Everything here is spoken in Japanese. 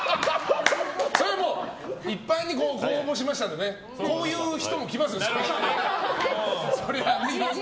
それはもう一般に公募しましたのでこういう人も来ますよ、そりゃ。